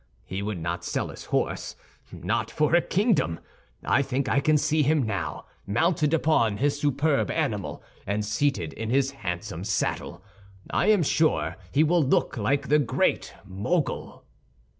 He would not sell his horse; not for a kingdom! I think I can see him now, mounted upon his superb animal and seated in his handsome saddle. I am sure he will look like the Great Mogul!"